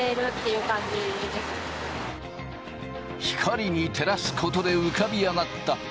光に照らすことで浮かび上がった